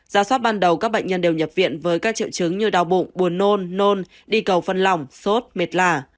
giá soát ban đầu các bệnh nhân đều nhập viện với các triệu chứng như đau bụng buồn nôn nôn đi cầu phân lỏng sốt mệt lạ